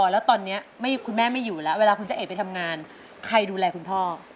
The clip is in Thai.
แล้วตอนนี้คุณแม่ไม่อยู่แล้วเวลาคุณเจ้าเอกไปทำงานใครดูแลคุณพ่อ